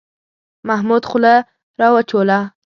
محمود خوله را وچوله.